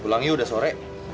pulang yuk sudah sore